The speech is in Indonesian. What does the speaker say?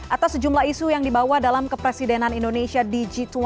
atas sejumlah isu yang dibawa dalam kepresidenan indonesia di g dua puluh